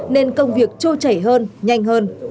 nên công việc trôi chảy hơn nhanh hơn